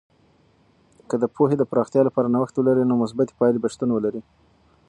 که د پوهې د پراختیا لپاره نوښت ولرئ، نو مثبتې پایلې به شتون ولري.